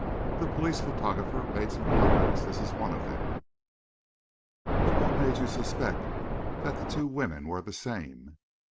"The police photographer made some copies. This is one of them." "But what made you suspect that the two women were the same?"